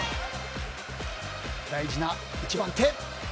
大事な１番手。